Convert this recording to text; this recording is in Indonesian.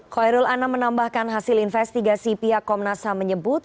khoirul ana menambahkan hasil investigasi pihak komnas ham menyebut